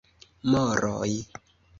Moroj: